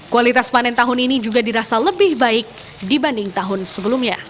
kualitas panen tahun ini juga dirasa lebih baik dibanding tahun sebelumnya